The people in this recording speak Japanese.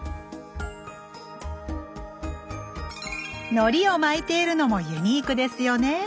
のりを巻いているのもユニークですよね。